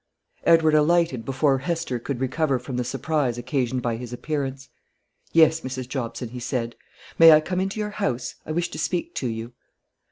Edward alighted before Hester could recover from the surprise occasioned by his appearance. "Yes, Mrs. Jobson," he said. "May I come into your house? I wish to speak to you."